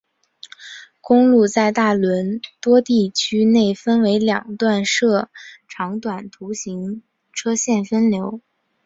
公路在大多伦多地区内分两段设长短途行车线分流。